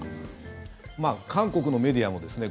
韓国のメディアもですね